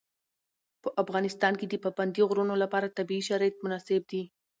په افغانستان کې د پابندی غرونه لپاره طبیعي شرایط مناسب دي.